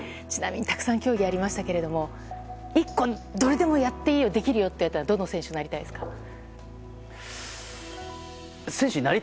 ちなみにたくさん競技がありましたけど１個どれでもやっていいよできるよといわれたら選手になりたいか？